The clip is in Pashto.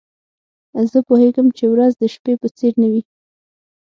زه پوهیږم چي ورځ د شپې په څېر نه وي.